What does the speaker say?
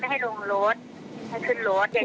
แต่ไม่ค่อยทำอะไรคนนะดูพฤติกรรมของมัน